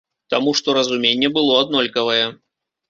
Таму што разуменне было аднолькавае.